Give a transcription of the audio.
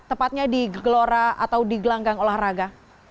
tepatnya di gelora atau di gelanggang olahraga